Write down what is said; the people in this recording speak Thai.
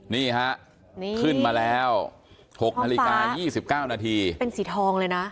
นี่ฮะขึ้นมาแล้ว๖นาฬิกา๒๙นาทีเป็นสีทองเลยนะ